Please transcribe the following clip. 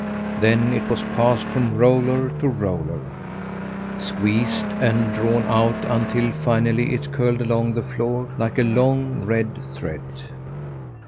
Thus it was passed from roller to roller, squeezed and drawn out until, finally, it curled along the floor, like a long red thread.